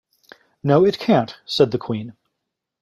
‘No, it can’t,’ said the Queen.